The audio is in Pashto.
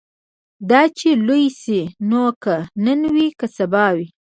دا چي لوی سي نو که نن وي که سبا وي